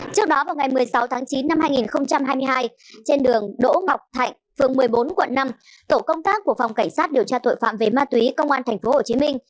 trước đó vào ngày một mươi sáu tháng chín năm hai nghìn hai mươi hai trên đường đỗ ngọc thạnh phường một mươi bốn quận năm tổ công tác của phòng cảnh sát điều tra tội phạm về ma túy công an tp hcm